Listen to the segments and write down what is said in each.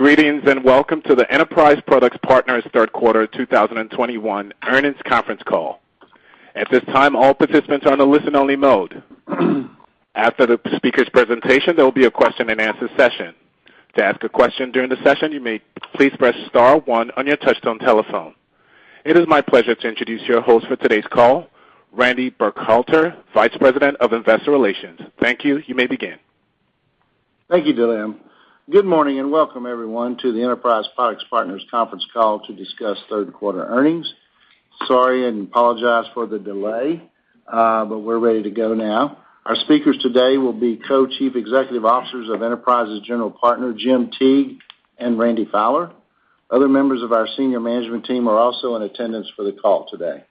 Greetings, and welcome to the Enterprise Products Partners third quarter 2021 earnings conference call. At this time, all participants are on a listen-only mode. After the speaker's presentation, there will be a question-and-answer session. To ask a question during the session, you may please press star one on your touchtone telephone. It is my pleasure to introduce your host for today's call, Randy Burkhalter, Vice President of Investor Relations. Thank you. You may begin. Thank you, Dylan. Good morning, and welcome everyone to the Enterprise Products Partners conference call to discuss third-quarter earnings. Sorry and apologize for the delay, but we're ready to go now. Our speakers today will be Co-Chief Executive Officers of Enterprise's General Partner, Jim Teague, and Randy Fowler. Other members of our senior management team are also in attendance for the call today.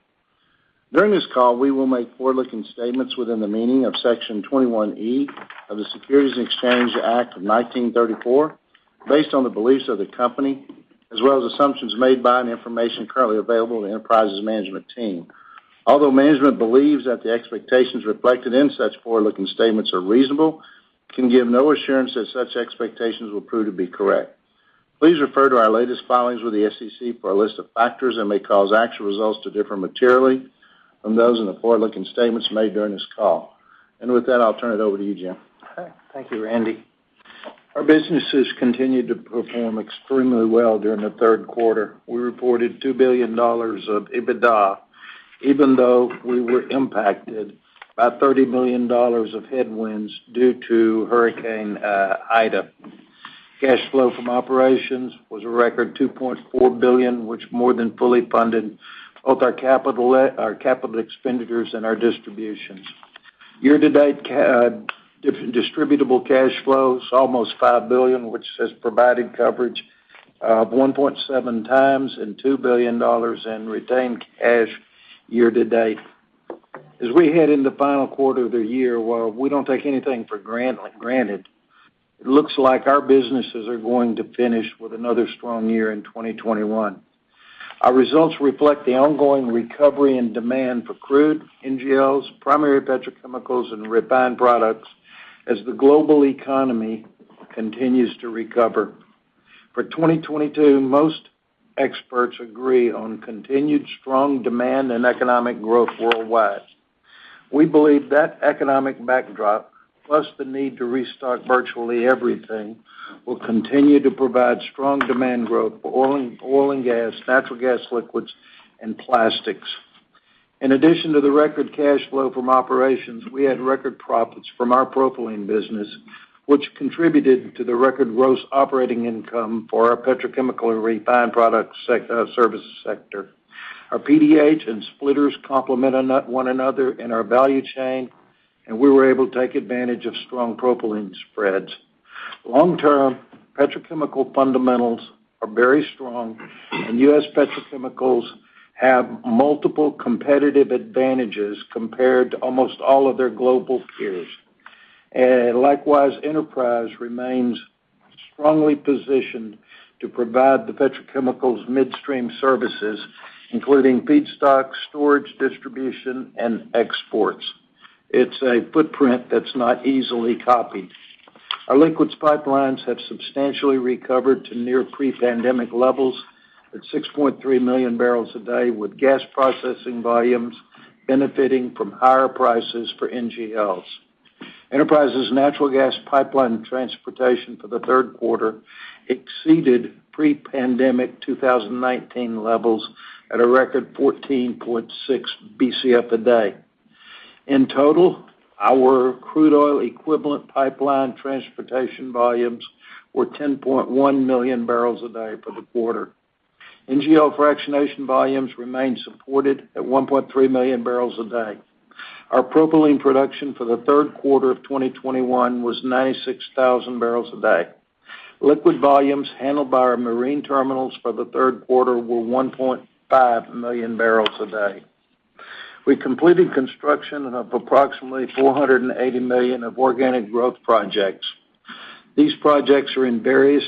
During this call, we will make forward-looking statements within the meaning of Section 21E of the Securities Exchange Act of 1934, based on the beliefs of the company, as well as assumptions made by and information currently available to Enterprise's management team. Although management believes that the expectations reflected in such forward-looking statements are reasonable, can give no assurance that such expectations will prove to be correct. Please refer to our latest filings with the SEC for a list of factors that may cause actual results to differ materially from those in the forward-looking statements made during this call. With that, I'll turn it over to you, Jim. Okay. Thank you, Randy. Our businesses continued to perform extremely well during the third quarter. We reported $2 billion of EBITDA, even though we were impacted by $30 million of headwinds due to Hurricane Ida. Cash flow from operations was a record $2.4 billion, which more than fully funded both our capital expenditures and our distributions. Year-to-date distributable cash flow is almost $5 billion, which has provided coverage of 1.7x, and $2 billion in retained cash year-to-date. As we head into final quarter of the year, while we don't take anything for granted, it looks like our businesses are going to finish with another strong year in 2021. Our results reflect the ongoing recovery and demand for crude, NGLs, primary petrochemicals, and refined products as the global economy continues to recover. For 2022, most experts agree on continued strong demand and economic growth worldwide. We believe that economic backdrop, plus the need to restart virtually everything, will continue to provide strong demand growth for oil and gas, natural gas liquids, and plastics. In addition to the record cash flow from operations, we had record profits from our propylene business, which contributed to the record gross operating income for our petrochemical and refined products services sector. Our PDH and splitters complement one another in our value chain, and we were able to take advantage of strong propylene spreads. Long-term, petrochemical fundamentals are very strong, and U.S. petrochemicals have multiple competitive advantages compared to almost all of their global peers. Likewise, Enterprise remains strongly positioned to provide the petrochemicals midstream services, including feedstock, storage, distribution, and exports. It's a footprint that's not easily copied. Our liquids pipelines have substantially recovered to near pre-pandemic levels at 6.3 million barrels a day, with gas processing volumes benefiting from higher prices for NGLs. Enterprise's natural gas pipeline transportation for the third quarter exceeded pre-pandemic 2019 levels at a record 14.6 Bcf a day. In total, our crude oil equivalent pipeline transportation volumes were 10.1 million barrels a day for the quarter. NGL fractionation volumes remained supported at 1.3 million bbl a day. Our propylene production for the third quarter of 2021 was 96,000 bbl a day. Liquid volumes handled by our marine terminals for the third quarter were 1.5 million bbl a day. We completed construction of approximately $480 million of organic growth projects. These projects are in varying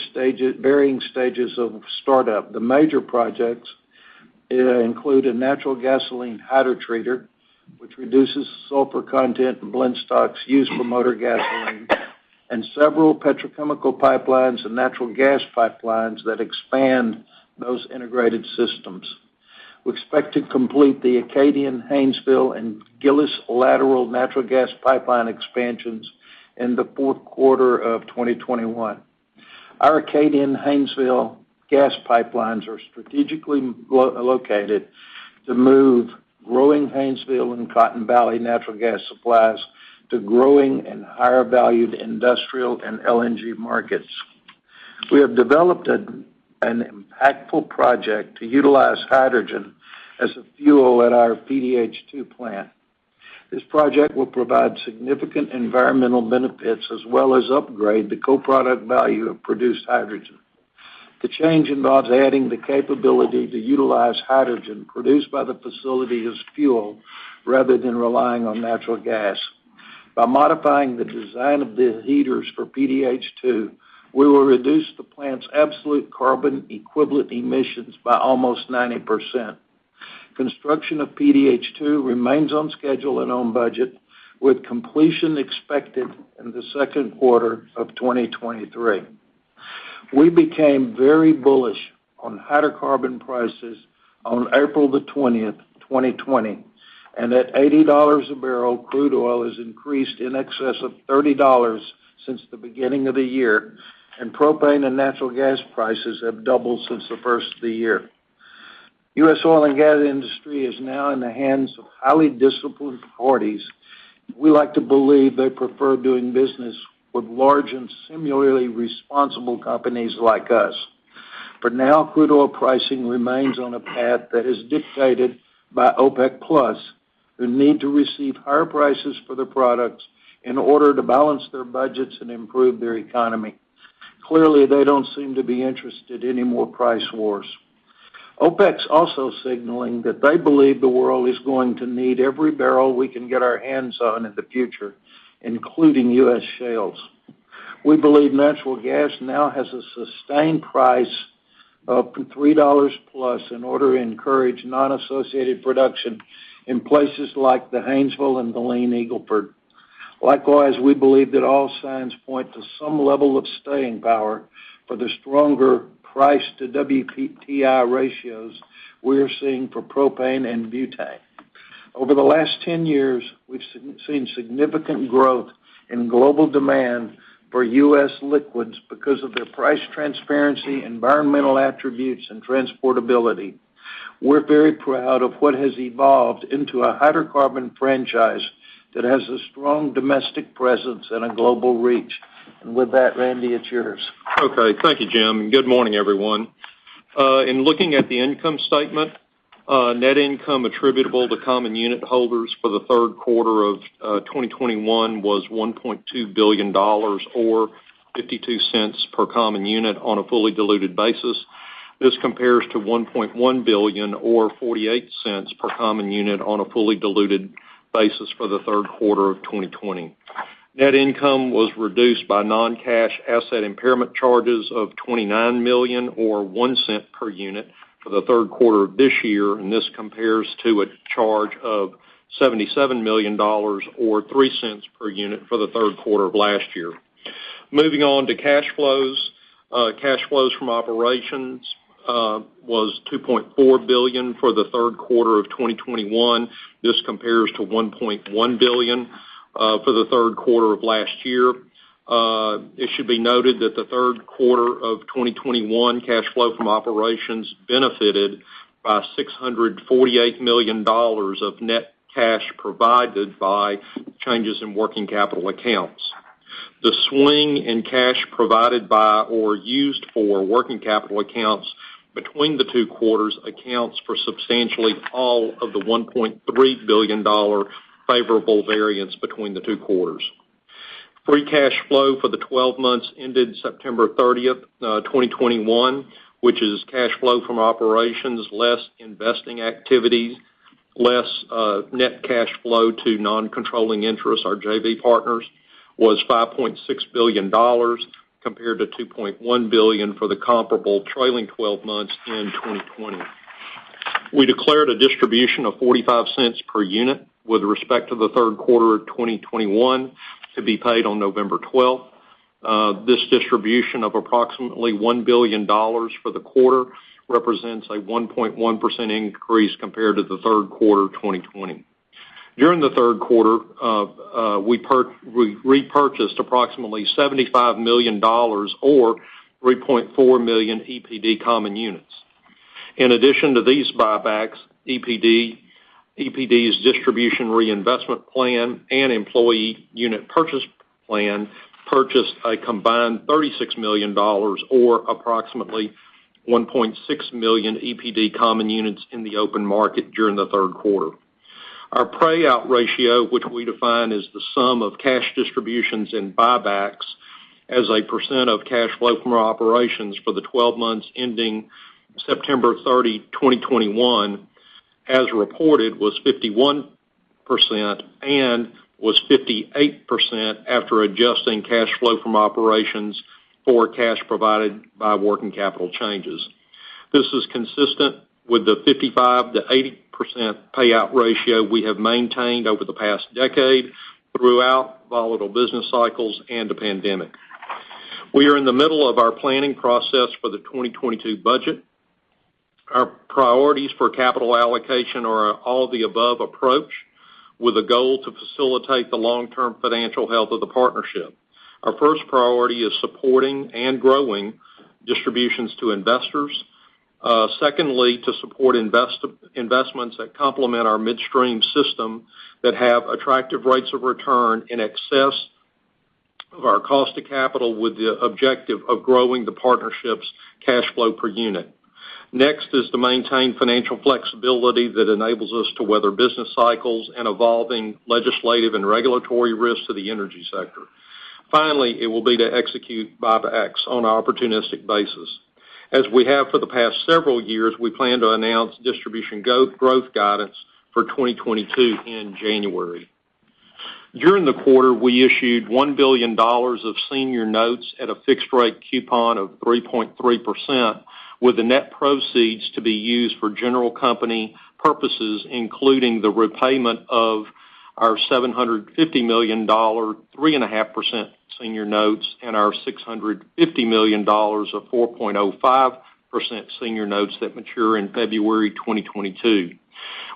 stages of startup. The major projects include a natural gasoline hydrotreater, which reduces sulfur content in blend stocks used for motor gasoline, and several petrochemical pipelines and natural gas pipelines that expand those integrated systems. We expect to complete the Acadian Haynesville and Gillis lateral natural gas pipeline expansions in the fourth quarter of 2021. Our Acadian Haynesville gas pipelines are strategically located to move growing Haynesville and Cotton Valley natural gas supplies to growing and higher-valued industrial and LNG markets. We have developed an impactful project to utilize hydrogen as a fuel at our PDH 2 plant. This project will provide significant environmental benefits as well as upgrade the co-product value of produced hydrogen. The change involves adding the capability to utilize hydrogen produced by the facility as fuel rather than relying on natural gas. By modifying the design of the heaters for PDH 2, we will reduce the plant's absolute carbon equivalent emissions by almost 90%. Construction of PDH 2 remains on schedule and on budget, with completion expected in the second quarter of 2023. We became very bullish on hydrocarbon prices on April 20, 2020, and at $80 a barrel, crude oil has increased in excess of $30 since the beginning of the year, and propane and natural gas prices have doubled since the first of the year. U.S. oil and gas industry is now in the hands of highly disciplined parties. We like to believe they prefer doing business with large and similarly responsible companies like us. For now, crude oil pricing remains on a path that is dictated by OPEC+, who need to receive higher prices for their products in order to balance their budgets and improve their economy. Clearly, they don't seem to be interested in any more price wars. OPEC's also signaling that they believe the world is going to need every barrel we can get our hands on in the future, including U.S. shales. We believe natural gas now has a sustained price of $3+ in order to encourage non-associated production in places like the Haynesville and the Eagle Ford. Likewise, we believe that all signs point to some level of staying power for the stronger price-to-WTI ratios we're seeing for propane and butane. Over the last 10 years, we've seen significant growth in global demand for U.S. liquids because of their price transparency, environmental attributes, and transportability. We're very proud of what has evolved into a hydrocarbon franchise that has a strong domestic presence and a global reach. With that, Randy, it's yours. Okay. Thank you, Jim. Good morning, everyone. In looking at the income statement, net income attributable to common unit holders for the third quarter of 2021 was $1.2 billion or $0.52 per common unit on a fully diluted basis. This compares to $1.1 billion or $0.48 per common unit on a fully diluted basis for the third quarter of 2020. Net income was reduced by non-cash asset impairment charges of $29 million or $0.01 per unit for the third quarter of this year, and this compares to a charge of $77 million or $0.03 per unit for the third quarter of last year. Moving on to cash flows. Cash flows from operations was $2.4 billion for the third quarter of 2021. This compares to $1.1 billion for the third quarter of last year. It should be noted that the third quarter of 2021 cash flow from operations benefited by $648 million of net cash provided by changes in working capital accounts. The swing in cash provided by or used for working capital accounts between the two quarters accounts for substantially all of the $1.3 billion favorable variance between the two quarters. Free cash flow for the 12 months ended September 30, 2021, which is cash flow from operations less investing activities, less net cash flow to non-controlling interests, our JV partners, was $5.6 billion compared to $2.1 billion for the comparable trailing 12 months in 2020. We declared a distribution of $0.45 per unit with respect to the third quarter of 2021 to be paid on November 12. This distribution of approximately $1 billion for the quarter represents a 1.1% increase compared to the third quarter of 2020. During the third quarter, we repurchased approximately $75 million or 3.4 million EPD common units. In addition to these buybacks, EPD's distribution reinvestment plan and employee unit purchase plan purchased a combined $36 million or approximately 1.6 million EPD common units in the open market during the third quarter. Our payout ratio, which we define as the sum of cash distributions and buybacks as a percent of cash flow from operations for the 12 months ending September 30, 2021, as reported, was 51% and was 58% after adjusting cash flow from operations for cash provided by working capital changes. This is consistent with the 55%-80% payout ratio we have maintained over the past decade throughout volatile business cycles and the pandemic. We are in the middle of our planning process for the 2022 budget. Our priorities for capital allocation are all the above approach with a goal to facilitate the long-term financial health of the partnership. Our first priority is supporting and growing distributions to investors. Secondly, to support investments that complement our midstream system that have attractive rates of return in excess of our cost of capital with the objective of growing the partnership's cash flow per unit. Next is to maintain financial flexibility that enables us to weather business cycles and evolving legislative and regulatory risks to the energy sector. Finally, it will be to execute buybacks on an opportunistic basis. As we have for the past several years, we plan to announce distribution growth guidance for 2022 in January. During the quarter, we issued $1 billion of senior notes at a fixed rate coupon of 3.3%, with the net proceeds to be used for general company purposes, including the repayment of our $750 million, 3.5% senior notes and our $650 million of 4.05% senior notes that mature in February 2022.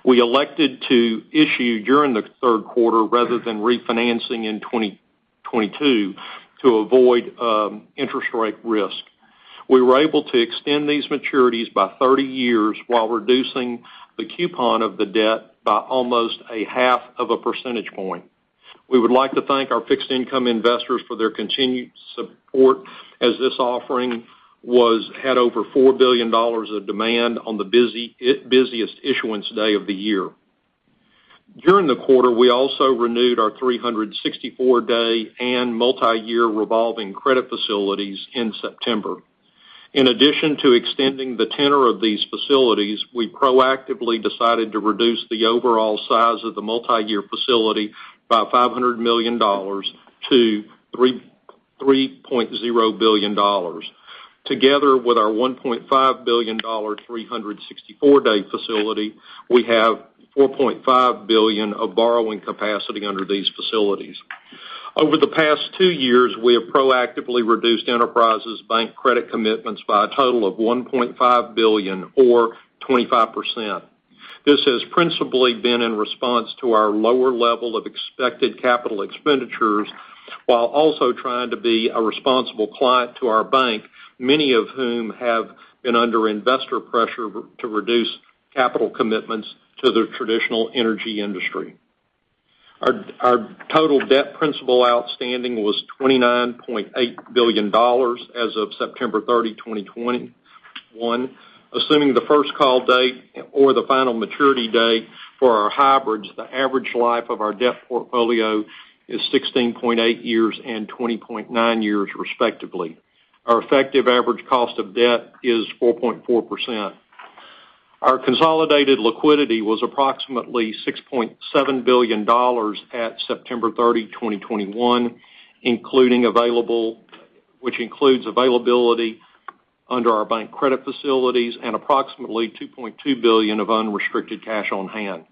We elected to issue during the third quarter rather than refinancing in 2022 to avoid interest rate risk. We were able to extend these maturities by 30 years while reducing the coupon of the debt by almost 1/2 of a percentage point. We would like to thank our fixed income investors for their continued support as this offering had over $4 billion of demand on the busiest issuance day of the year. During the quarter, we also renewed our 364-day and multiyear revolving credit facilities in September. In addition to extending the tenor of these facilities, we proactively decided to reduce the overall size of the multiyear facility by $500 million to $3.0 billion. Together with our $1.5 billion, 364-day facility, we have $4.5 billion of borrowing capacity under these facilities. Over the past two years, we have proactively reduced Enterprise's bank credit commitments by a total of $1.5 billion or 25%. This has principally been in response to our lower level of expected capital expenditures, while also trying to be a responsible client to our bank, many of whom have been under investor pressure to reduce capital commitments to the traditional energy industry. Our total debt principal outstanding was $29.8 billion as of September 30, 2021. Assuming the first call date or the final maturity date for our hybrids, the average life of our debt portfolio is 16.8 years and 20.9 years respectively. Our effective average cost of debt is 4.4%. Our consolidated liquidity was approximately $6.7 billion at September 30, 2021, including availability under our bank credit facilities and approximately $2.2 billion of unrestricted cash on hand.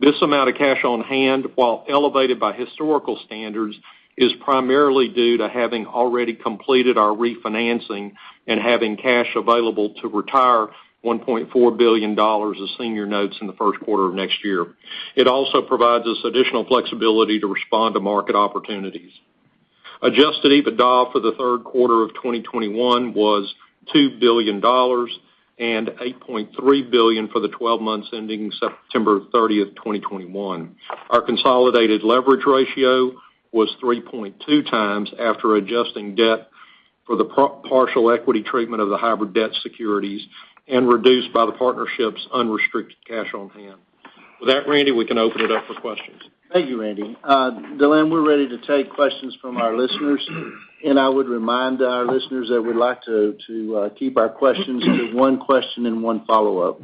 This amount of cash on hand, while elevated by historical standards, is primarily due to having already completed our refinancing and having cash available to retire $1.4 billion of senior notes in the first quarter of next year. It also provides us additional flexibility to respond to market opportunities. Adjusted EBITDA for the third quarter of 2021 was $2 billion and $8.3 billion for the 12 months ending September 30, 2021. Our consolidated leverage ratio was 3.2 times after adjusting debt for the partial equity treatment of the hybrid debt securities and reduced by the partnership's unrestricted cash on hand. With that, Randy, we can open it up for questions. Thank you, Randy. Dylan, we're ready to take questions from our listeners. I would remind our listeners that we'd like to keep our questions to one question and one follow-up.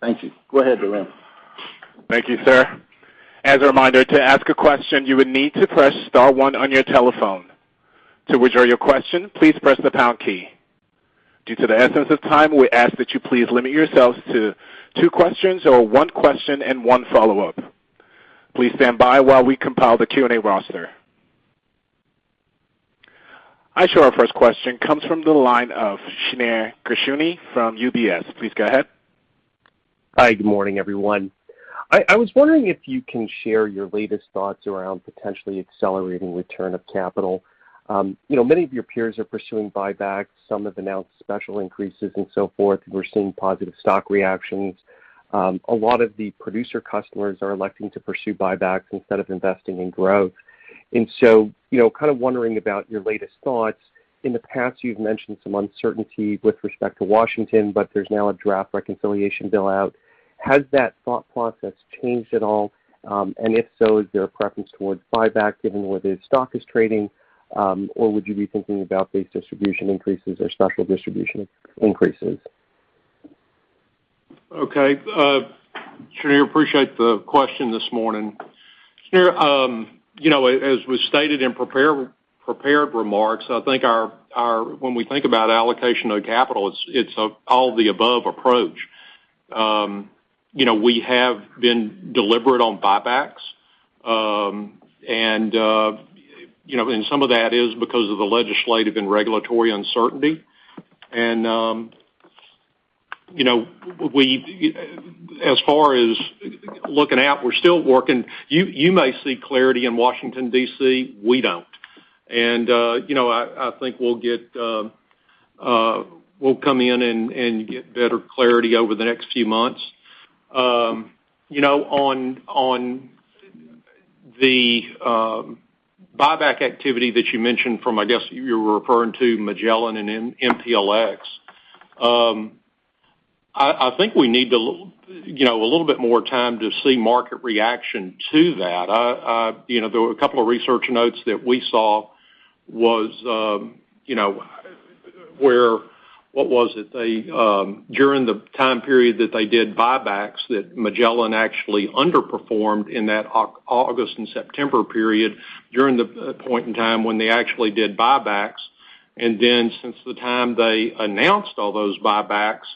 Thank you. Go ahead, Dylan. Thank you, sir. As a reminder, to ask a question, you would need to press star one on your telephone. To withdraw your question, please press the pound key. In the interest of time, we ask that you please limit yourselves to two questions or one question and one follow-up. Please stand by while we compile the Q&A roster. I show our first question comes from the line of Shneur Gershuni from UBS. Please go ahead. Hi, good morning, everyone. I was wondering if you can share your latest thoughts around potentially accelerating return of capital. You know, many of your peers are pursuing buybacks, some have announced special increases and so forth. We're seeing positive stock reactions. A lot of the producer customers are electing to pursue buybacks instead of investing in growth. You know, kind of wondering about your latest thoughts. In the past, you've mentioned some uncertainty with respect to Washington, but there's now a draft reconciliation bill out. Has that thought process changed at all? If so, is there a preference towards buyback given where the stock is trading? Would you be thinking about base distribution increases or special distribution increases? Okay. Shneur, appreciate the question this morning. Shneur, you know, as was stated in prepared remarks, I think our when we think about allocation of capital, it's a all the above approach. You know, we have been deliberate on buybacks. You know, some of that is because of the legislative and regulatory uncertainty. You know, as far as looking out, we're still working. You may see clarity in Washington, D.C., we don't. You know, I think we'll come in and get better clarity over the next few months. You know, on the buyback activity that you mentioned from, I guess, you were referring to Magellan and MPLX. I think we need you know, a little bit more time to see market reaction to that. You know, there were a couple of research notes that we saw was during the time period that they did buybacks, that Magellan actually underperformed in that August and September period during the point in time when they actually did buybacks. Then since the time they announced all those buybacks,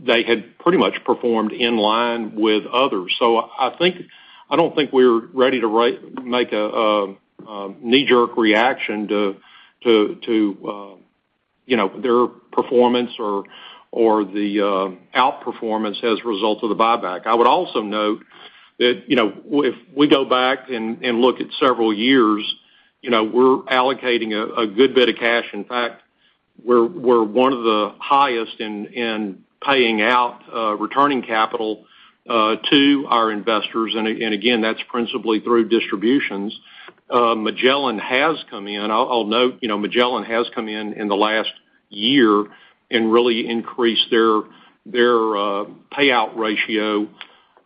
they had pretty much performed in line with others. I don't think we're ready to make a knee-jerk reaction to you know, their performance or the outperformance as a result of the buyback. I would also note that, you know, if we go back and look at several years, you know, we're allocating a good bit of cash. In fact, we're one of the highest in paying out returning capital to our investors. Again, that's principally through distributions. Magellan has come in. I'll note, you know, Magellan has come in in the last year and really increased their payout ratio.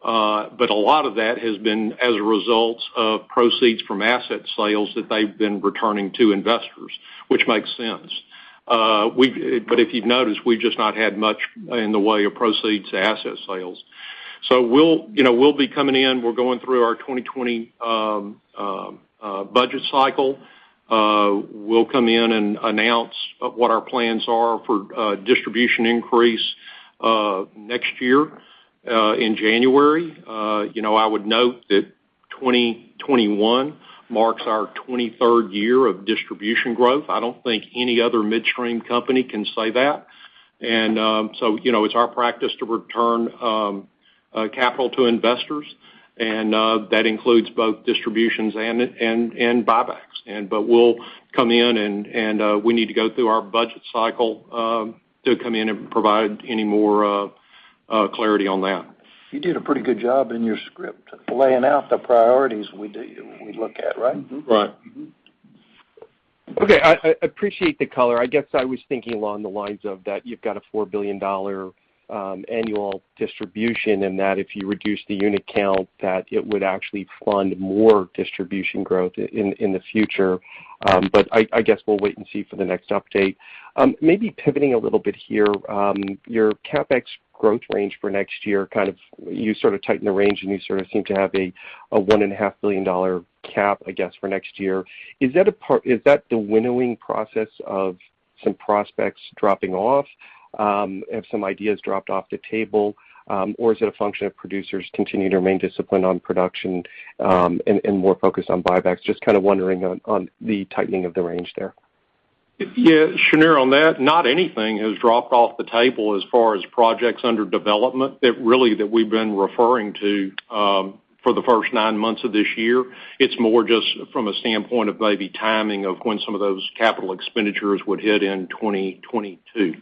A lot of that has been as a result of proceeds from asset sales that they've been returning to investors, which makes sense. If you've noticed, we've just not had much in the way of proceeds from asset sales. We'll, you know, we'll be coming in. We're going through our 2020 budget cycle. We'll come in and announce what our plans are for distribution increase next year in January. You know, I would note that 2021 marks our 23rd year of distribution growth. I don't think any other midstream company can say that. You know, it's our practice to return capital to investors, and that includes both distributions and buybacks. We'll come in, and we need to go through our budget cycle to come in and provide any more clarity on that. You did a pretty good job in your script laying out the priorities we look at, right? Right. Mm-hmm. Okay. I appreciate the color. I guess I was thinking along the lines of that you've got a $4 billion annual distribution, and that if you reduce the unit count, that it would actually fund more distribution growth in the future. I guess we'll wait and see for the next update. Maybe pivoting a little bit here, your CapEx growth range for next year, kind of you sort of tighten the range, and you sort of seem to have a $1.5 billion cap, I guess, for next year. Is that the winnowing process of some prospects dropping off? Have some ideas dropped off the table, or is it a function of producers continue to remain disciplined on production, and more focused on buybacks? Just kind of wondering on the tightening of the range there. Yeah, Shneur, on that, not anything has dropped off the table as far as projects under development that we've been referring to for the first nine months of this year. It's more just from a standpoint of maybe timing of when some of those capital expenditures would hit in 2022.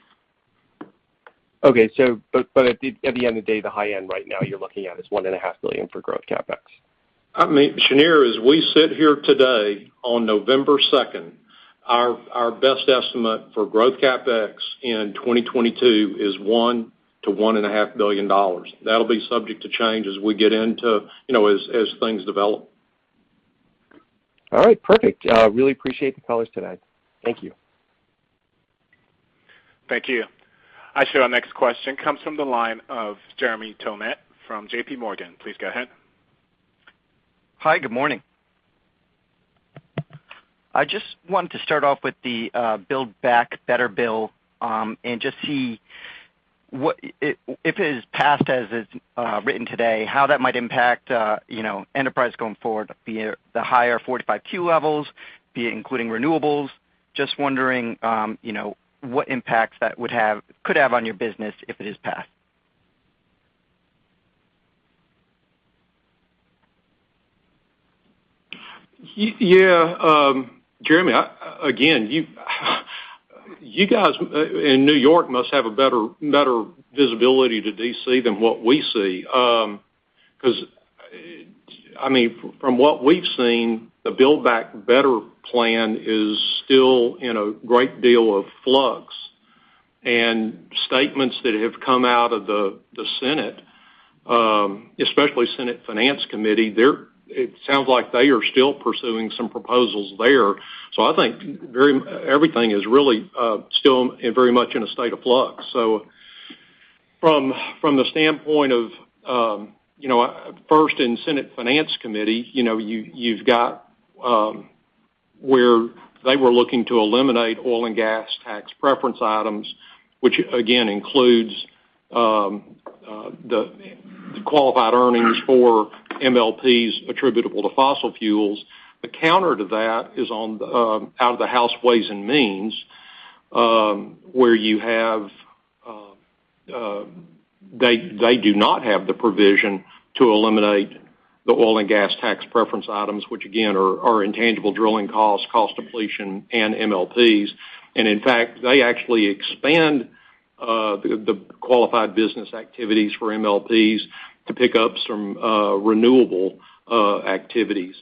At the end of the day, the high end right now you're looking at is $1.5 billion for growth CapEx. I mean, Shneur, as we sit here today on November 2nd, our best estimate for growth CapEx in 2022 is $1 billion-$1.5 billion. That'll be subject to change as we get into, you know, as things develop. All right. Perfect. Really appreciate the callers today. Thank you. Thank you. I show our next question comes from the line of Jeremy Tonet from JPMorgan. Please go ahead. Hi. Good morning. I just wanted to start off with the Build Back Better bill and just see what if it is passed as it's written today, how that might impact you know, Enterprise going forward, be it the higher 45Q levels, be it including renewables. Just wondering you know, what impacts that would have could have on your business if it is passed. Yeah, Jeremy, again, you guys in New York must have a better visibility to D.C. than what we see. Because, I mean, from what we've seen, the Build Back Better plan is still in a great deal of flux. Statements that have come out of the Senate, especially Senate Finance Committee, it sounds like they are still pursuing some proposals there. I think everything is really still very much in a state of flux. From the standpoint of, you know, first in Senate Finance Committee, you know, you've got where they were looking to eliminate oil and gas tax preference items, which again includes the qualified earnings for MLPs attributable to fossil fuels. The counter to that is on the out of the House Ways and Means, where you have they do not have the provision to eliminate the oil and gas tax preference items, which again are intangible drilling costs, cost depletion and MLPs. In fact, they actually expand the qualified business activities for MLPs to pick up some renewable activities.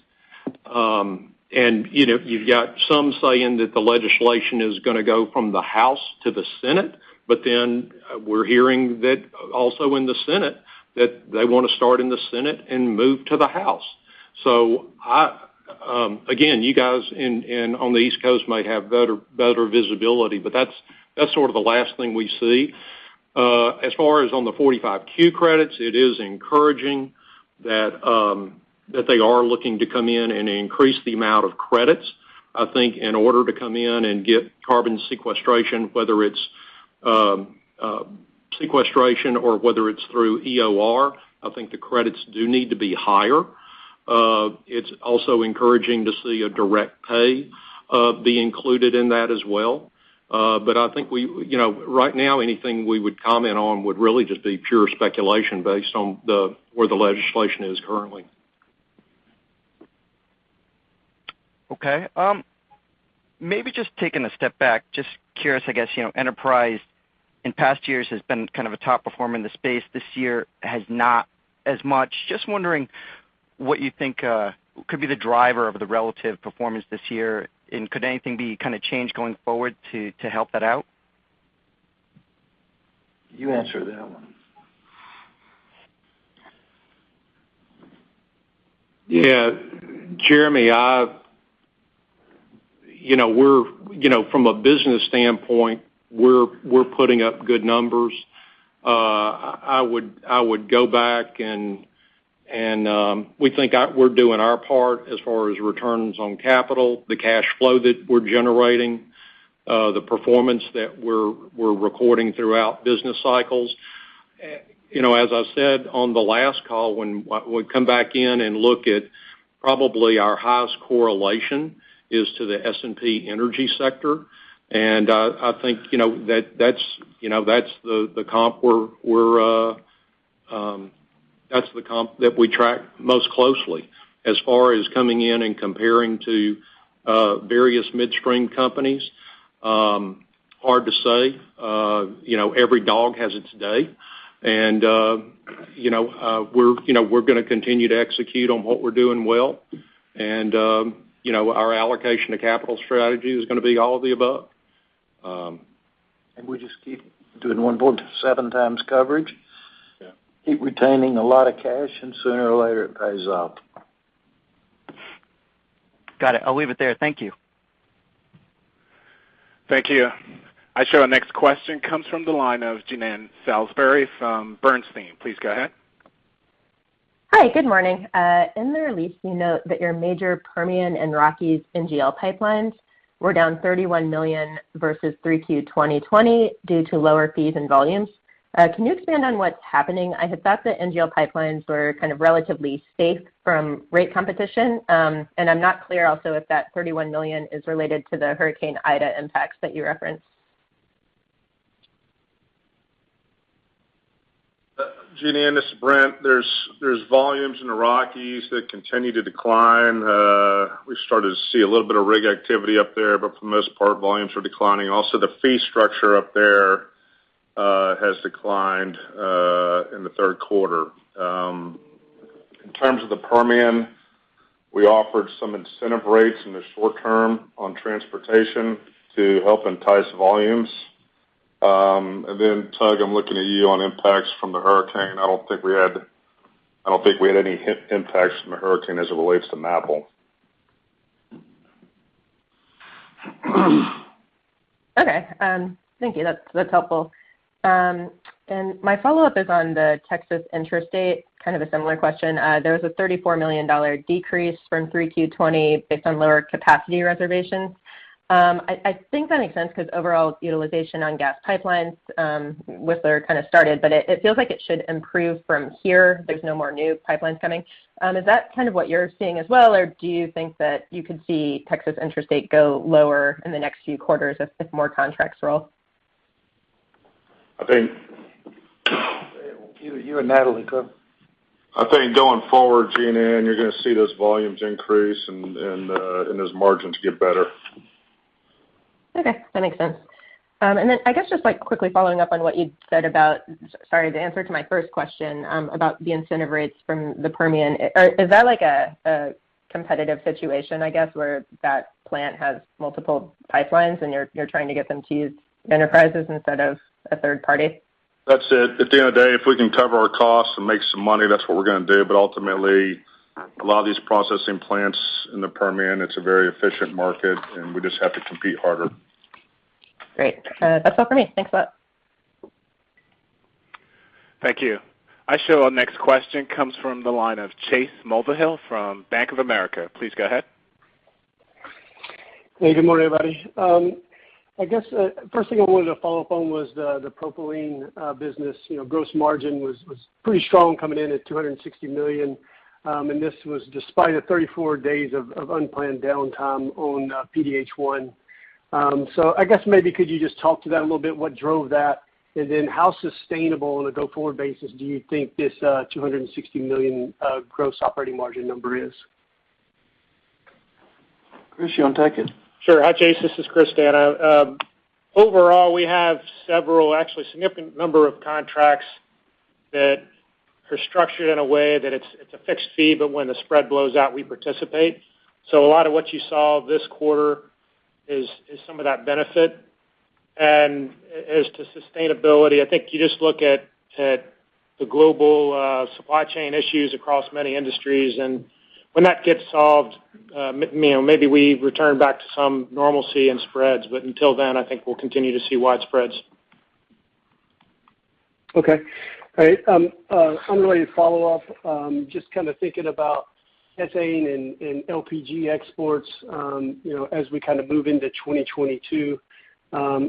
You know, you've got some saying that the legislation is gonna go from the House to the Senate, but then we're hearing that also in the Senate that they wanna start in the Senate and move to the House. I again, you guys on the East Coast might have better visibility, but that's sort of the last thing we see. As far as on the 45Q credits, it is encouraging that they are looking to come in and increase the amount of credits. I think in order to come in and get carbon sequestration, whether it's sequestration or whether it's through EOR, I think the credits do need to be higher. It's also encouraging to see a direct pay be included in that as well. But I think we, you know, right now anything we would comment on would really just be pure speculation based on where the legislation is currently. Okay. Maybe just taking a step back, just curious, I guess, you know, Enterprise in past years has been kind of a top performer in the space. This year has not as much. Just wondering what you think, could be the driver of the relative performance this year, and could anything be kind of changed going forward to help that out? You answer that one. Yeah, Jeremy, you know, we're, you know, from a business standpoint, we're putting up good numbers. I would go back and we're doing our part as far as returns on capital, the cash flow that we're generating, the performance that we're recording throughout business cycles. You know, as I said on the last call, when we come back in and look at probably our highest correlation is to the S&P energy sector. I think, you know, that's the comp that we track most closely. As far as coming in and comparing to various midstream companies, hard to say. You know, every dog has its day. You know, we're gonna continue to execute on what we're doing well. You know, our allocation to capital strategy is gonna be all of the above. We just keep doing 1.7x coverage. Yeah. Keep retaining a lot of cash, and sooner or later it pays off. Got it. I'll leave it there. Thank you. Thank you. Our next question comes from the line of Jean Ann Salisbury from Bernstein. Please go ahead. Hi. Good morning. In the release, you note that your major Permian and Rockies NGL pipelines were down $31 million versus 3Q 2020 due to lower fees and volumes. Can you expand on what's happening? I had thought the NGL pipelines were kind of relatively safe from rate competition. I'm not clear also if that $31 million is related to the Hurricane Ida impacts that you referenced. Jean Ann, this is Brent. There's volumes in the Rockies that continue to decline. We started to see a little bit of rig activity up there, but for the most part, volumes are declining. Also, the fee structure up there has declined in the third quarter. In terms of the Permian, we offered some incentive rates in the short term on transportation to help entice volumes. Tug, I'm looking at you on impacts from the hurricane. I don't think we had any impacts from the hurricane as it relates to Maple. Thank you. That's helpful. My follow-up is on the Texas Intrastate, kind of a similar question. There was a $34 million decrease from 3Q 2020 based on lower capacity reservations. I think that makes sense 'cause overall utilization on gas pipelines, Whistler kind of started, but it feels like it should improve from here. There's no more new pipelines coming. Is that kind of what you're seeing as well, or do you think that you could see Texas Intrastate go lower in the next few quarters as if more contracts roll? I think. You and Natalie could. I think going forward, Jean Ann, you're gonna see those volumes increase and those margins get better. Okay. That makes sense. I guess just like quickly following up on what you said about, sorry, the answer to my first question about the incentive rates from the Permian. Is that like a competitive situation, I guess, where that plant has multiple pipelines and you're trying to get them to use Enterprise's instead of 1/3 party? That's it. At the end of the day, if we can cover our costs and make some money, that's what we're gonna do. Ultimately. Okay. A lot of these processing plants in the Permian, it's a very efficient market and we just have to compete harder. Great. That's all for me. Thanks a lot. Thank you. I show our next question comes from the line of Chase Mulvahill from Bank of America. Please go ahead. Hey, good morning, everybody. I guess first thing I wanted to follow up on was the propylene business. You know, gross margin was pretty strong coming in at $260 million, and this was despite 34 days of unplanned downtime on PDH 1. So I guess maybe could you just talk to that a little bit, what drove that? How sustainable on a go-forward basis do you think this $260 million gross operating margin number is? Chris, you wanna take it? Sure. Hi, Chase. This is Chris D'Anna. Overall, we have several, actually significant number of contracts that are structured in a way that it's a fixed fee, but when the spread blows out, we participate. A lot of what you saw this quarter is some of that benefit. As to sustainability, I think you just look at the global supply chain issues across many industries, and when that gets solved, you know, maybe we return back to some normalcy in spreads. Until then, I think we'll continue to see wide spreads. Okay. All right. Unrelated follow-up, just kind of thinking about ethane and LPG exports, you know, as we kind of move into 2022. You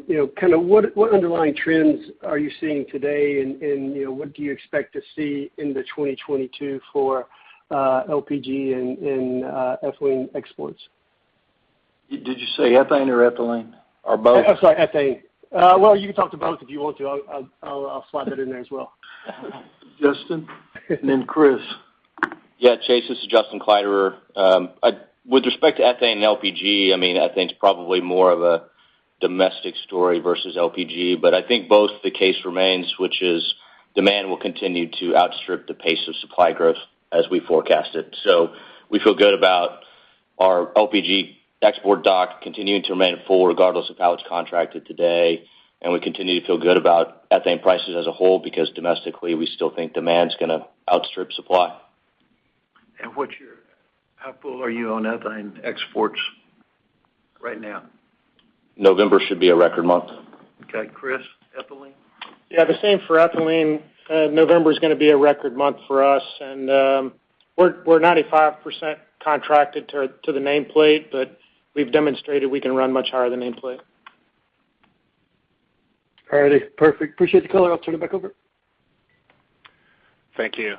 know, kind of what underlying trends are you seeing today and, you know, what do you expect to see into 2022 for LPG and ethylene exports? Did you say ethane or ethylene or both? I'm sorry, ethane. Well, you can talk to both if you want to. I'll slot that in there as well. Justin and then Chris. Yeah, Chase, this is Justin Kleiderer. With respect to ethane and LPG, I mean, ethane's probably more of a domestic story versus LPG. I think both, the case remains, which is demand will continue to outstrip the pace of supply growth as we forecast it. We feel good about our LPG export dock continuing to remain full regardless of how it's contracted today, and we continue to feel good about ethane prices as a whole because domestically, we still think demand's gonna outstrip supply. How full are you on ethane exports right now? November should be a record month. Okay. Chris, ethylene? Yeah, the same for ethylene. November's gonna be a record month for us, and we're 95% contracted to the nameplate, but we've demonstrated we can run much higher than nameplate. All right. Perfect. Appreciate the color. I'll turn it back over. Thank you.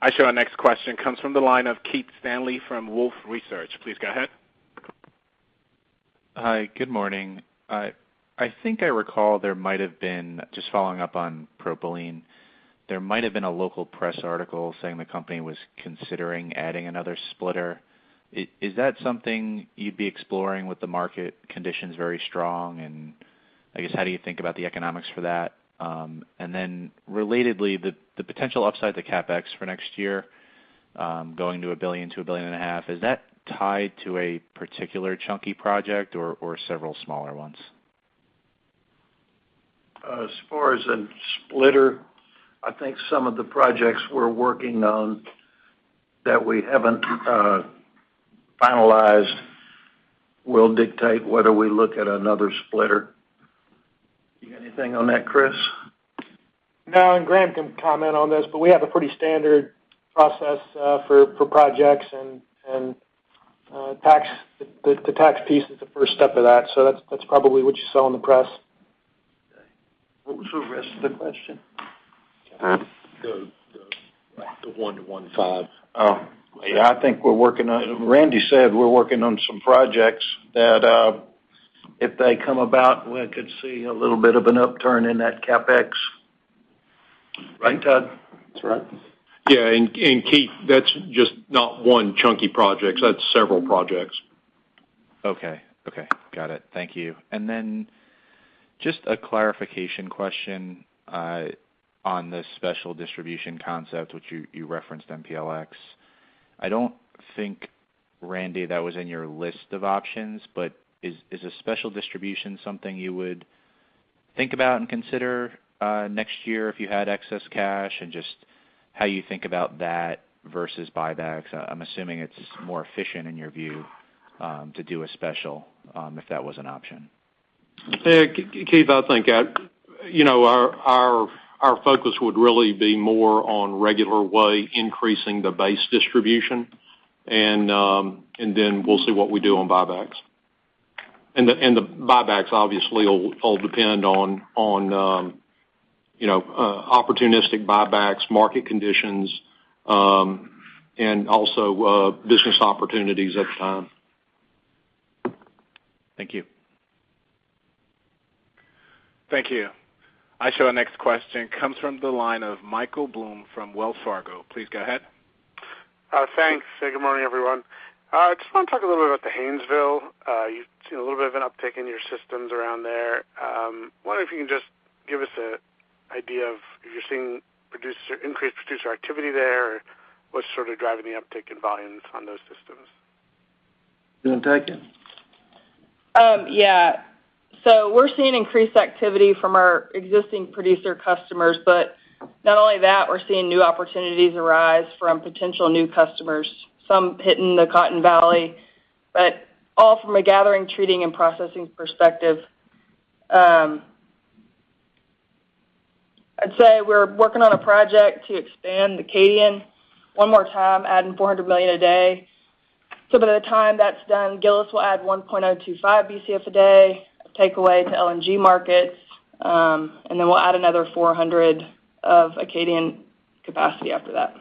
I show our next question comes from the line of Keith Stanley from Wolfe Research. Please go ahead. Hi. Good morning. I think I recall just following up on propylene, there might have been a local press article saying the company was considering adding another splitter. Is that something you'd be exploring with the market conditions very strong? I guess, how do you think about the economics for that? Relatedly, the potential upside to CapEx for next year, going to $1 billion-$1.5 billion, is that tied to a particular chunky project or several smaller ones? As far as a splitter, I think some of the projects we're working on that we haven't finalized will dictate whether we look at another splitter. You got anything on that, Chris? No, and Graham can comment on this, but we have a pretty standard process for projects and tax, the tax piece is the first step of that. That's probably what you saw in the press. Okay. What was the rest of the question? Um. The one-1.5. Oh. Yeah, I think Randy said we're working on some projects that, if they come about, we could see a little bit of an upturn in that CapEx. Right, Rand? That's right. Keith, that's just not one chunky project. That's several projects. Okay. Got it. Thank you. Just a clarification question on the special distribution concept which you referenced, MPLX. I don't think, Randy, that was in your list of options, but is a special distribution something you would think about and consider next year if you had excess cash? Just how you think about that versus buybacks. I'm assuming it's more efficient in your view to do a special if that was an option. Yeah. Keith, I think, you know, our focus would really be more on regularly increasing the base distribution and then we'll see what we do on buybacks. The buybacks obviously will depend on, you know, opportunistic buybacks, market conditions, and also business opportunities at the time. Thank you. Thank you. I show our next question comes from the line of Michael Blum from Wells Fargo. Please go ahead. Thanks. Good morning, everyone. Just wanna talk a little bit about the Haynesville. You've seen a little bit of an uptick in your systems around there. Wondering if you can just give us an idea of if you're seeing increased producer activity there or what's sort of driving the uptick in volumes on those systems? Lynn, take it. Yeah. We're seeing increased activity from our existing producer customers, but not only that, we're seeing new opportunities arise from potential new customers, some hitting the Cotton Valley, but all from a gathering, treating, and processing perspective. I'd say we're working on a project to expand Acadian one more time, adding 400 million a day. By the time that's done, Gillis will add 1.025 BCF a day takeaway to LNG markets, and then we'll add another 400 of Acadian capacity after that.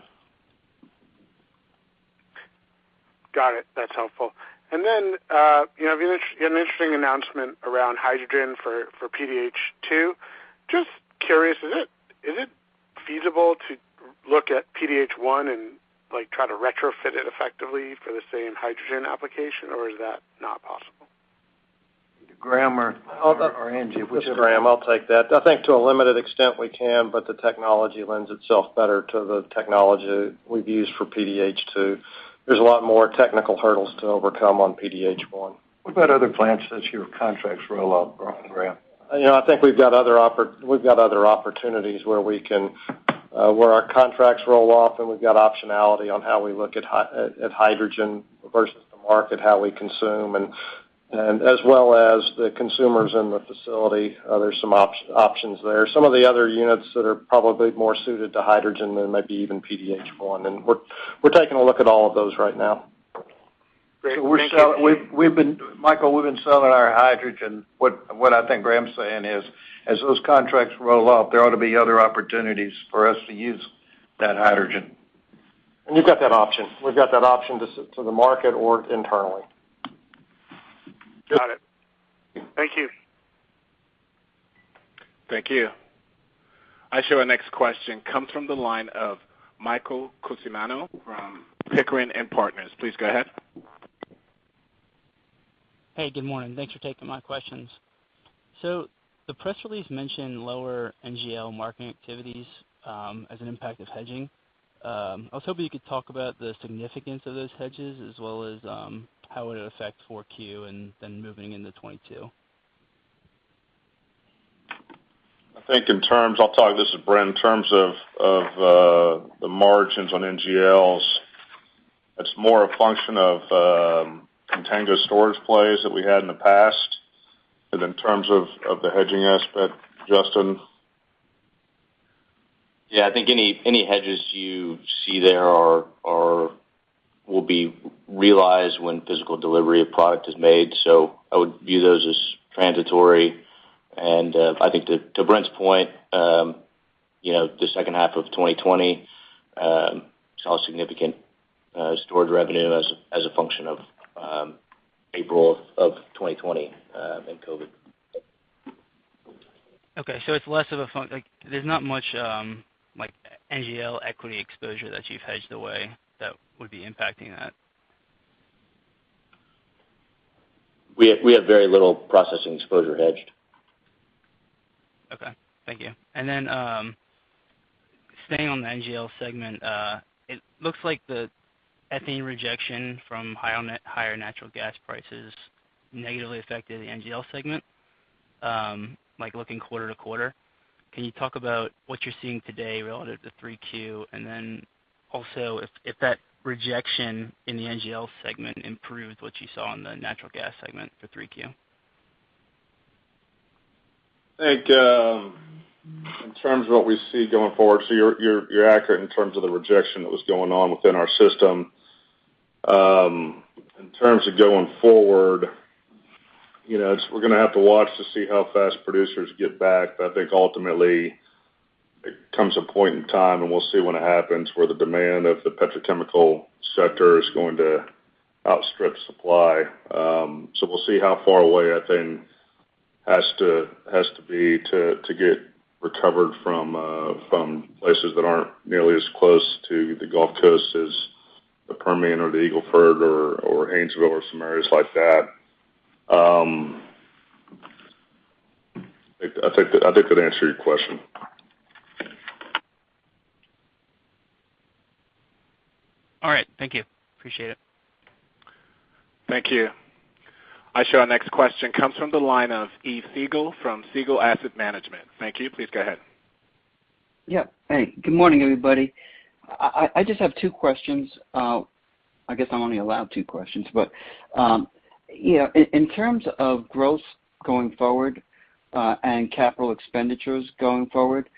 Got it. That's helpful. You know, I mean, that's an interesting announcement around hydrogen for PDH 2. Just curious, is it feasible to look at PDH 1 and, like, try to retrofit it effectively for the same hydrogen application or is that not possible? Either Graham or Angie, which. This is Graham. I'll take that. I think to a limited extent we can, but the technology lends itself better to the technology we've used for PDH 2. There's a lot more technical hurdles to overcome on PDH 1. What about other plants as your contracts roll out, Graham? You know, I think we've got other opportunities where we can, where our contracts roll off, and we've got optionality on how we look at hydrogen versus the market, how we consume and as well as the consumers in the facility. There's some options there. Some of the other units that are probably more suited to hydrogen than maybe even PDH 1, and we're taking a look at all of those right now. Michael, we've been selling our hydrogen. What I think Graham's saying is, as those contracts roll off, there ought to be other opportunities for us to use that hydrogen. We've got that option to the market or internally. Got it. Thank you. Thank you. Our next question comes from the line of Michael Cusimano from Pickering Energy Partners. Please go ahead. Hey, good morning. Thanks for taking my questions. The press release mentioned lower NGL marketing activities as an impact of hedging. I was hoping you could talk about the significance of those hedges as well as how it would affect 4Q and then moving into 2022. This is Brent. In terms of the margins on NGLs, it's more a function of contango storage plays that we had in the past. But in terms of the hedging aspect, Justin? Yeah. I think any hedges you see there are will be realized when physical delivery of product is made. I would view those as transitory. I think to Brent's point, you know, the second half of 2020 saw significant storage revenue as a function of April of 2020 and COVID. Okay. It's like, there's not much like NGL equity exposure that you've hedged away that would be impacting that. We have very little processing exposure hedged. Okay. Thank you. Staying on the NGL segment, it looks like the ethane rejection from higher natural gas prices negatively affected the NGL segment, like looking quarter to quarter. Can you talk about what you're seeing today relative to 3Q? Also, if that rejection in the NGL segment improved what you saw in the natural gas segment for 3Q. I think in terms of what we see going forward, you're accurate in terms of the injection that was going on within our system. In terms of going forward, you know, we're gonna have to watch to see how fast producers get back. I think ultimately it comes to a point in time, and we'll see when it happens, where the demand of the petrochemical sector is going to outstrip supply. We'll see how far away, I think, it has to be to get recovered from places that aren't nearly as close to the Gulf Coast as the Permian or the Eagle Ford or Haynesville or some areas like that. I think that answered your question. All right. Thank you. Appreciate it. Thank you. I show our next question comes from the line of Yves Siegel from Siegel Asset Management. Thank you. Please go ahead. Yeah. Hey, good morning, everybody. I just have two questions. I guess I'm only allowed two questions, but you know, in terms of growth going forward and capital expenditures going forward,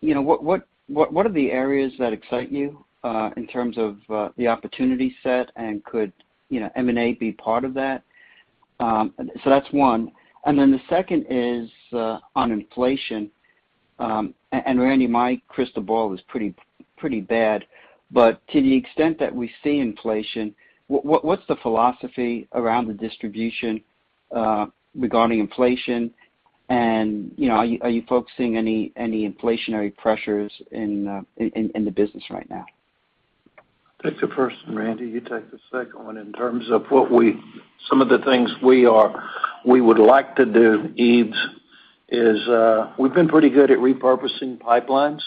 you know, what are the areas that excite you in terms of the opportunity set? Could you know, M&A be part of that? So that's one. Then the second is on inflation. Randy, my crystal ball is pretty bad. To the extent that we see inflation, what's the philosophy around the distribution regarding inflation? You know, are you focusing any inflationary pressures in the business right now? I'll take the first one, Randy. You take the second one. In terms of what some of the things we would like to do, Yves, is, we've been pretty good at repurposing pipelines.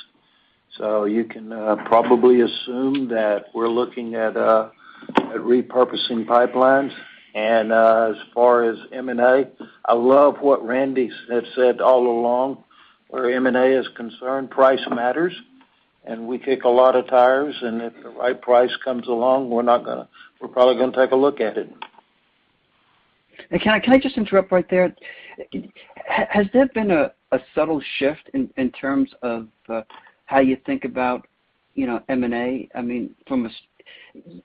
You can probably assume that we're looking at repurposing pipelines. As far as M&A, I love what Randy has said all along. Where M&A is concerned, price matters, and we kick a lot of tires. If the right price comes along, we're probably gonna take a look at it. Can I just interrupt right there? Has there been a subtle shift in terms of how you think about, you know, M&A? I mean,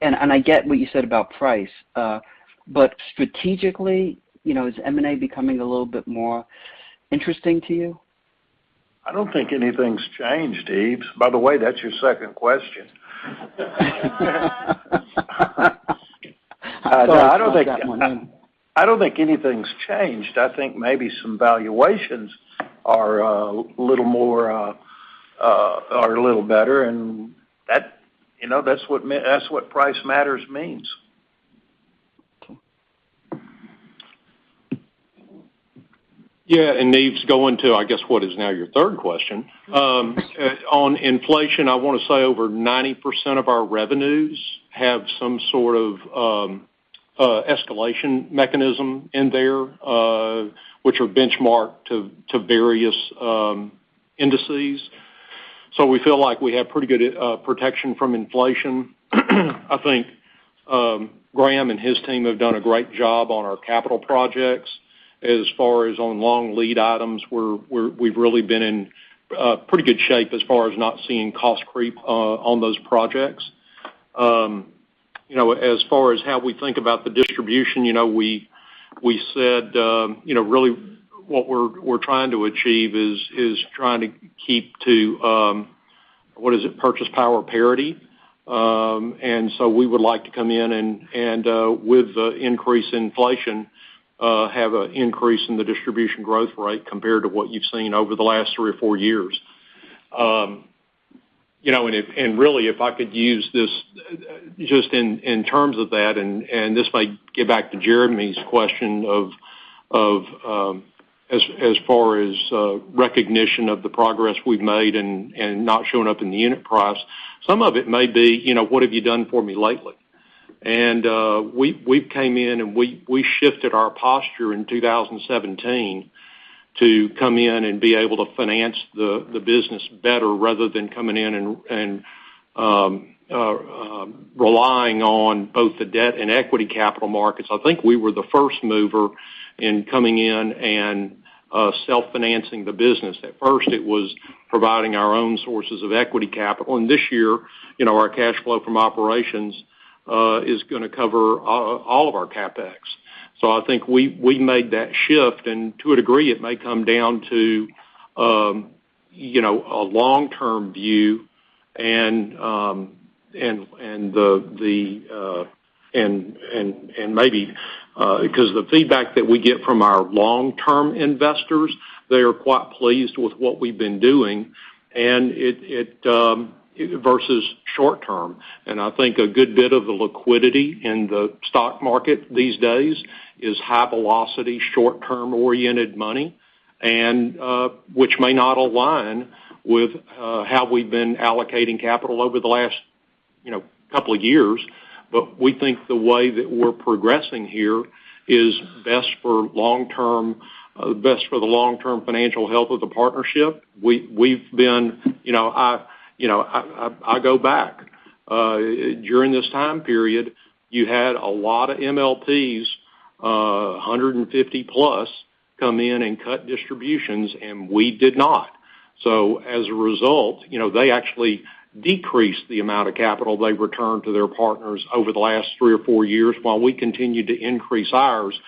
I get what you said about price. But strategically, you know, is M&A becoming a little bit more interesting to you? I don't think anything's changed, Yves. By the way, that's your second question. Sorry. I killed that one. I don't think anything's changed. I think maybe some valuations are a little more are a little better. You know, that's what price matters means. Yves going to, I guess, what is now your third question. On inflation, I wanna say over 90% of our revenues have some sort of escalation mechanism in there, which are benchmarked to various indices. We feel like we have pretty good protection from inflation. I think Graham and his team have done a great job on our capital projects. As far as on long lead items, we've really been in pretty good shape as far as not seeing cost creep on those projects. You know, as far as how we think about the distribution, you know, we said, you know, really what we're trying to achieve is trying to keep to what is it? Purchasing power parity. We would like to come in and with the increase in inflation have a increase in the distribution growth rate compared to what you've seen over the last three or four years. You know, and really, if I could use this just in terms of that, and this might get back to Jeremy's question of as far as recognition of the progress we've made and not showing up in the unit price. Some of it may be, you know, what have you done for me lately? We've came in, and we shifted our posture in 2017 to come in and be able to finance the business better rather than coming in and relying on both the debt and equity capital markets. I think we were the first mover in coming in and self-financing the business. At first, it was providing our own sources of equity capital. This year, you know, our cash flow from operations is gonna cover all of our CapEx. I think we made that shift. To a degree, it may come down to a long-term view and the feedback that we get from our long-term investors. They are quite pleased with what we've been doing, and it versus short term. I think a good bit of the liquidity in the stock market these days is high velocity, short term oriented money, and which may not align with how we've been allocating capital over the last, you know, couple of years. We think the way that we're progressing here is best for the long-term financial health of the partnership. You know, I go back during this time period you had a lot of MLPs, 150+ come in and cut distributions, and we did not. As a result, you know, they actually decreased the amount of capital they returned to their partners over the last three or four years while we continued to increase ours.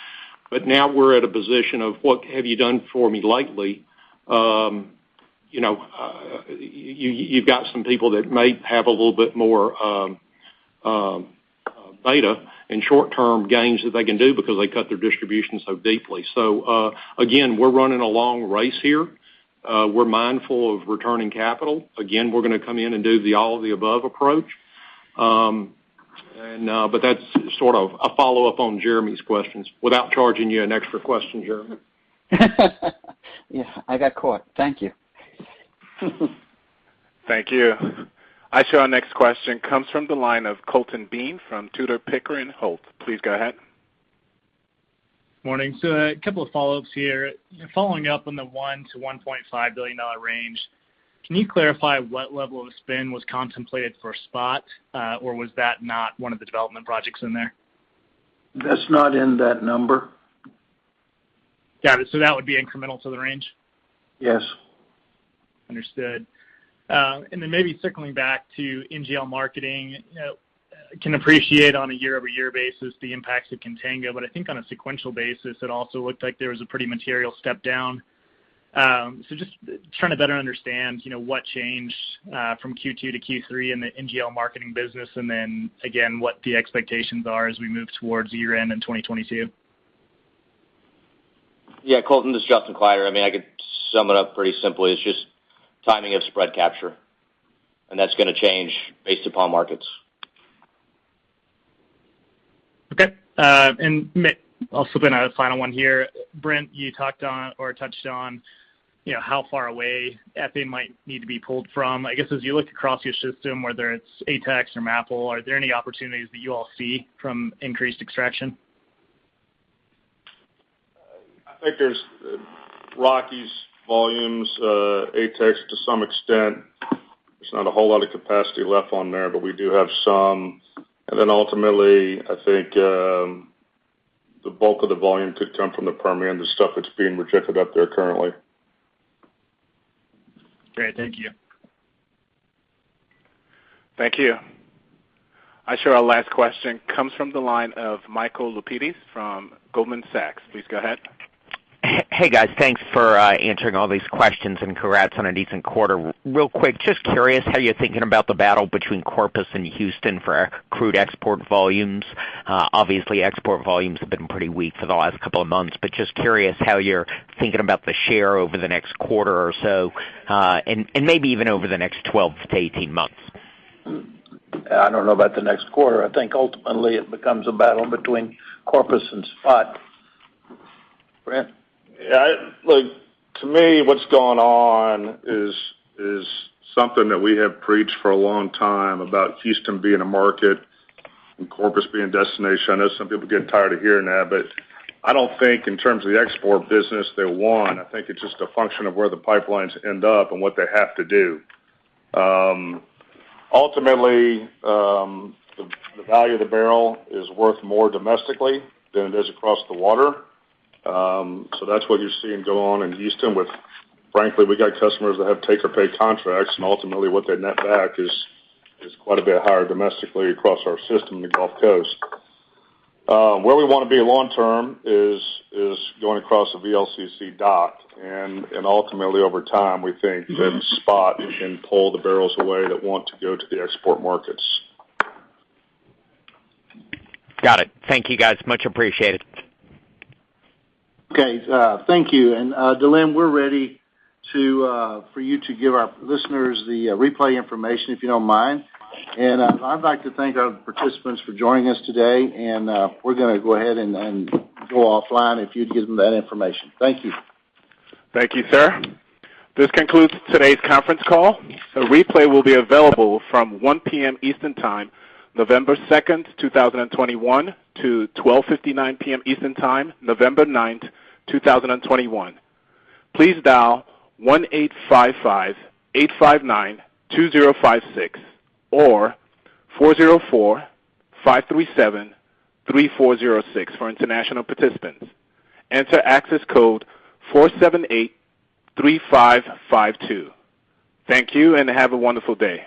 Now we're at a position of what have you done for me lately? You know, you've got some people that may have a little bit more leeway and short-term gains that they can do because they cut their distribution so deeply. Again, we're running a long race here. We're mindful of returning capital. Again, we're gonna come in and do the all of the above approach. That's sort of a follow-up on Jeremy's questions without charging you an extra question, Jeremy. Yeah, I got caught. Thank you. Thank you. Our next question comes from the line of Colton Bean from Tudor, Pickering, Holt. Please go ahead. Morning. A couple of follow-ups here. Following up on the $1 billion-$1.5 billion range, can you clarify what level of spend was contemplated for SPOT, or was that not one of the development projects in there? That's not in that number. Got it. That would be incremental to the range? Yes. Understood. Maybe circling back to NGL marketing. You know, I can appreciate on a year-over-year basis the impacts of Contango. I think on a sequential basis, it also looked like there was a pretty material step down. Just trying to better understand, you know, what changed from Q2 to Q3 in the NGL marketing business, and then again, what the expectations are as we move towards year-end in 2022. Yeah, Colton, this is Justin Kleiderer. I mean, I could sum it up pretty simply. It's just timing of spread capture, and that's gonna change based upon markets. Okay. I'll slip in a final one here. Brent, you talked on or touched on, you know, how far away ethane might need to be pulled from. I guess, as you look across your system, whether it's ATEX or Mid-America, are there any opportunities that you all see from increased extraction? I think there's Rockies volumes, ATEX to some extent. There's not a whole lot of capacity left on there, but we do have some. Then ultimately, I think, the bulk of the volume could come from the Permian, the stuff that's being rejected up there currently. Great. Thank you. Thank you. Our last question comes from the line of Michael Lapides from Goldman Sachs. Please go ahead. Hey, guys. Thanks for answering all these questions, and congrats on a decent quarter. Real quick, just curious how you're thinking about the battle between Corpus and Houston for crude export volumes. Obviously, export volumes have been pretty weak for the last couple of months, but just curious how you're thinking about the share over the next quarter or so, and maybe even over the next 12-18 months. I don't know about the next quarter. I think ultimately it becomes a battle between Corpus and SPOT. Brent? Yeah, look, to me, what's going on is something that we have preached for a long time about Houston being a market and Corpus being a destination. I know some people get tired of hearing that, but I don't think in terms of the export business, they won. I think it's just a function of where the pipelines end up and what they have to do. Ultimately, the value of the barrel is worth more domestically than it is across the water. That's what you're seeing go on in Houston with frankly, we got customers that have take or pay contracts, and ultimately what they net back is quite a bit higher domestically across our system in the Gulf Coast. Where we wanna be long term is going across the VLCC dock. Ultimately, over time, we think that SPOT can pull the barrels away that want to go to the export markets. Got it. Thank you, guys. Much appreciated. Okay, thank you. Dylan, we're ready for you to give our listeners the replay information, if you don't mind. I'd like to thank our participants for joining us today, and we're gonna go ahead and go offline if you'd give them that information. Thank you. Thank you, sir. This concludes today's conference call. A replay will be available from 1:00 P.M. Eastern Time, November 2, 2021 to 12:59 P.M. Eastern Time, November 9, 2021. Please dial 1-855-859-2056 or 404-537-3406 for international participants. Enter access code 478-3552. Thank you, and have a wonderful day.